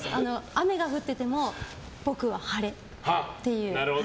雨が降ってても僕は晴れ！っていう。